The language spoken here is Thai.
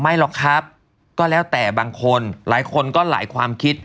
หรอกครับก็แล้วแต่บางคนหลายคนก็หลายความคิด